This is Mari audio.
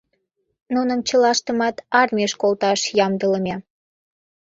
Нуным чылаштымат армийыш колташ ямдылыме.